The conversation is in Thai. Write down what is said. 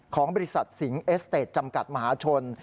ของบริษัทสิงห์เอสเตจจำกัดมหาชน